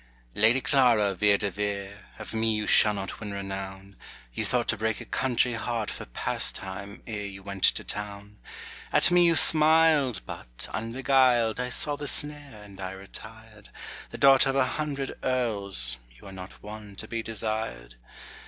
Lady Clara Vere de Vere, Of me you shall not win renown; You thought to break a country heart For pastime, ere you went to town. At me you smiled, but unbeguiled I saw the snare, and I retired: The daughter of a hundred Earls, You are not one to be desired.